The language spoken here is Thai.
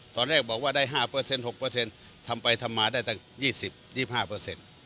ตอนแรกบอกว่าได้๕เปอร์เซ็นต์๖เปอร์เซ็นต์ทำไปทำมาได้ตั้ง๒๐๒๕เปอร์เซ็นต์